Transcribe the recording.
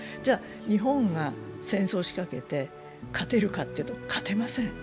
日本が戦争仕掛けて勝てるかというと、勝てません。